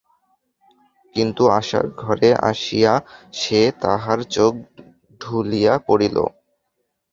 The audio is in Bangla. কিন্তু আশার ঘরে আসিয়া সেদিন তাহার চোখ ঢুলিয়া পড়িল।